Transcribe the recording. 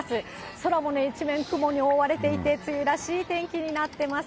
空もね、一面雲に覆われていて、梅雨らしい天気になってます。